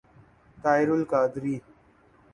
Tahir al-Qadri